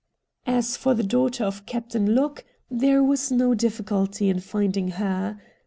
As for the daughter of Captain Locke there was no difficulty in finding her.